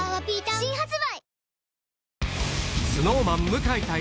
新発売